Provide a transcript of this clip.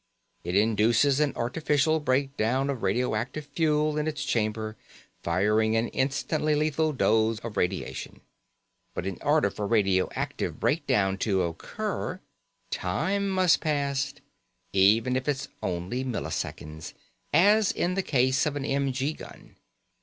It induces an artificial breakdown of radioactive fuel in its chamber, firing an instantly lethal dose of radiation. But in order for radioactive breakdown to occur, time must pass. Even if it's only milliseconds, as in the case of an m.g. gun.